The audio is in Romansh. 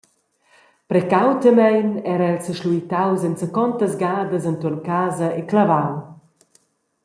Precautamein era el seschluitaus enzacontas gadas entuorn casa e clavau.